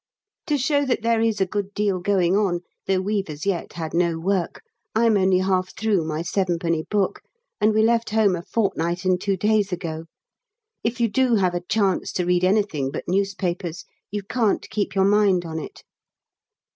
To show that there is a good deal going on, though we've as yet had no work, I'm only half through my 7d. book, and we left home a fortnight and two days ago. If you do have a chance to read anything but newspapers, you can't keep your mind on it.